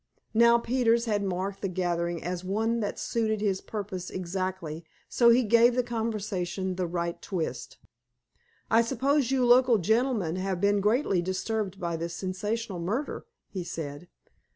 Now, Peters had marked the gathering as one that suited his purpose exactly, so he gave the conversation the right twist. "I suppose you local gentlemen have been greatly disturbed by this sensational murder?" he said.